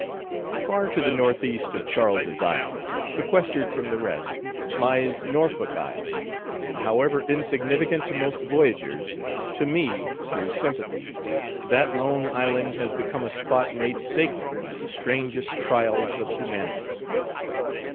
Far to the northeast of Charles's Isle, sequestered from the rest, lies Norfolk Isle; and, however insignificant to most voyagers, to me, through sympathy, that lone island has become a spot made sacred by the strangest trials of humanity.